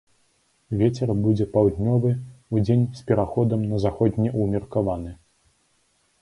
Вецер будзе паўднёвы, удзень з пераходам на заходні ўмеркаваны.